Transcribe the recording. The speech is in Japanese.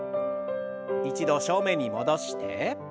一度正面に戻して。